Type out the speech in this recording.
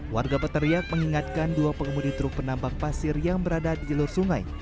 warga berteriak mengingatkan dua pengemudi truk penambang pasir yang berada di jalur sungai